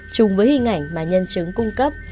chùng với hình ảnh mà nhân chứng cung cấp